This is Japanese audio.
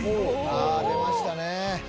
「ああ出ましたね」